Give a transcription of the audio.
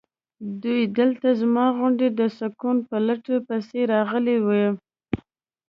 دوی دلته زما غوندې د سکون په لټون پسې راغلي وي.